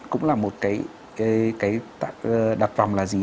cũng là một cái đặt vòng là gì